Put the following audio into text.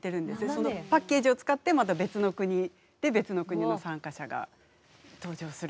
そのパッケージを使ってまた別の国で別の国の参加者が登場する。